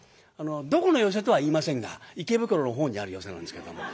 どこの寄席とは言いませんが池袋のほうにある寄席なんですけども。